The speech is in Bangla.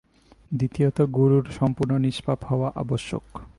দ্বিতীয়ত গুরুর সম্পূর্ণ নিষ্পাপ হওয়া আবশ্যক।